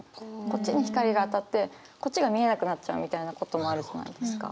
こっちに光が当たってこっちが見えなくなっちゃうみたいなこともあるじゃないですか。